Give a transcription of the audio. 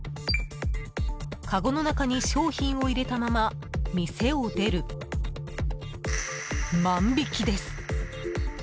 かごの中に商品を入れたまま店を出る、万引きです。